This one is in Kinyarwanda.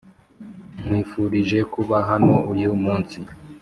nkwifurije kuba hano uyu munsi,